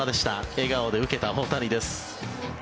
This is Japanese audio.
笑顔で受けた大谷です。